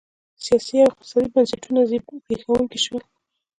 سیاسي او اقتصادي بنسټونه زبېښونکي شول.